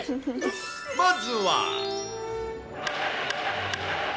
まずは。